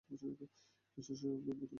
কিছুটা সময় লাগবে, তবে ঢুকতে পারবো।